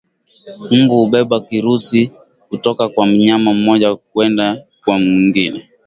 Mbu hubeba kirusi kutoka kwa mnyama mmoja kwenda kwa mwingine